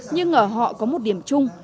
nhưng ở họ có một điểm chung